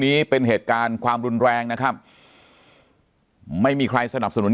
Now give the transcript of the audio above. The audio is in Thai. นี้เป็นเหตุการณ์ความรุนแรงนะครับไม่มีใครสนับสนุน